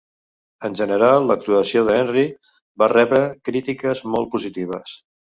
En general, l'actuació de Henry va rebre crítiques molt positives.